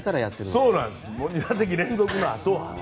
そうです２打席連続のあとは。